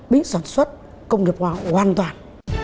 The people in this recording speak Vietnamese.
bính sản xuất công nghiệp hoàn toàn